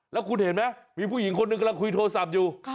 แล้วคุณเห็นไหมมีผู้หญิงคนหนึ่งกำลังคุยโทรศัพท์อยู่